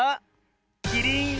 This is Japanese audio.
キリン！